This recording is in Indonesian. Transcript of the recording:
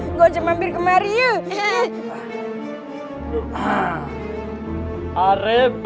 nggak aja mampir kemari yuk